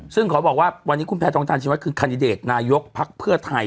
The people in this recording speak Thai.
ซึ่งขอบอกว่าวันนี้คุณแพทองทานชิวัตคือคันดิเดตนายกภักดิ์เพื่อไทย